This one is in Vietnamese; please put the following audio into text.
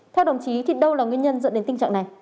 theo đồng chí thì đâu là nguyên nhân dẫn đến tình trạng này